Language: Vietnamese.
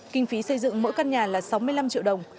kinh phí xây dựng mỗi căn nhà là sáu mươi năm triệu đồng